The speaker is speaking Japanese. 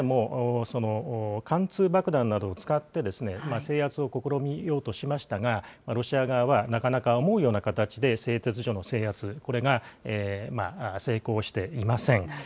これまでも、貫通爆弾などを使って、制圧を試みようとしましたが、ロシア側はなかなか思うような形で製鉄所の制圧、これが成功していません。